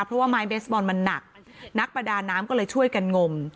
เพราะว่าไม้เบสบอลมันหนักนักประดาน้ำก็เลยช่วยกันงม